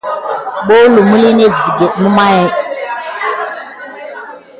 Ɓolu məline net ziga memaya.